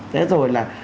thế rồi là